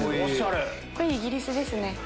イギリスですね。